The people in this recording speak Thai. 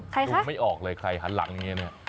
ใครคะรู้ไม่ออกเลยใครหันหลังอย่างนี้